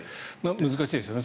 難しいですよね。